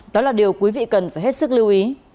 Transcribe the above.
đó là điều quý vị cần phải hết sức lưu ý